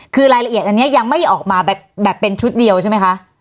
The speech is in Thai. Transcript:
คือรายละเอียดอันนี้ยังไม่ออกมาแบบเป็นชุดเดียวใช่ไหมคะ